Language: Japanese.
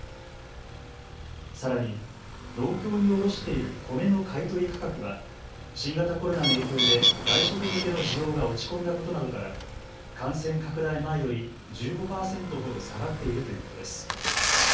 さらに、農協に卸している米の買い取り価格は新型コロナの影響で外食向けの需要が落ち込んだことなどから感染拡大前より１５％ほど下がっているということです。